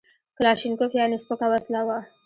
کلاشینکوف یعنې سپکه وسله وه